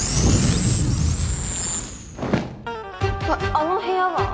あの部屋は？